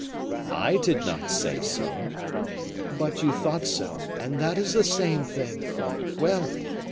"I did not say so." "But you thought so; and that is the same thing. Well!